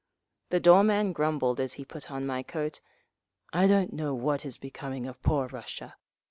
The doorman grumbled as he put on my coat, "I don't know what is becoming of poor Russia.